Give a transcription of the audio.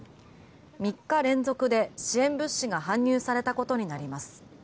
３日連続で支援物資が搬入されたことになります。